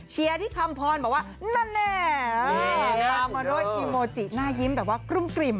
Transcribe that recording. ที่คำพรบอกว่านั่นแน่ตามมาด้วยอิโมจิหน้ายิ้มแบบว่ากลุ้มกลิ่ม